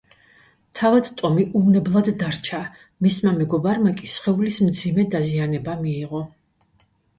თავად ტომი უვნებლად დარჩა, მისმა მეგობარმა კი სხეულის მძიმე დაზიანება მიიღო.